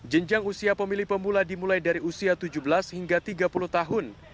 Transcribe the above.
jenjang usia pemilih pemula dimulai dari usia tujuh belas hingga tiga puluh tahun